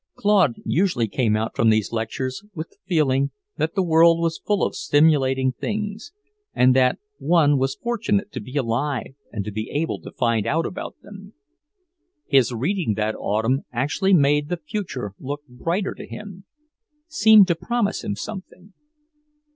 Claude usually came out from these lectures with the feeling that the world was full of stimulating things, and that one was fortunate to be alive and to be able to find out about them. His reading that autumn actually made the future look brighter to him; seemed to promise him something.